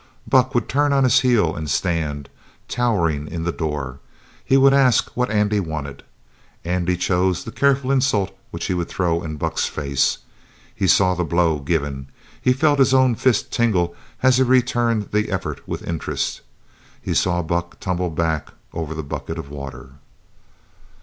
Buck would turn on his heel and stand, towering, in the door. He would ask what Andy wanted. Andy chose the careful insult which he would throw in Buck's face. He saw the blow given. He felt his own fist tingle as he returned the effort with interest. He saw Buck tumble back over the bucket of water.